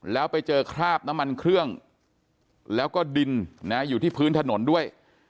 แล้วไปเจอคราบน้ำมันเครื่องแล้วก็ดินอยู่ที่พื้นถนนด้วย